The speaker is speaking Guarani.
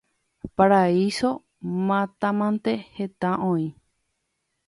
paraíso mátamante heta oĩ